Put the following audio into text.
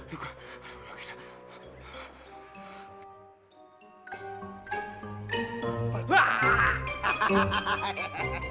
kok udah gila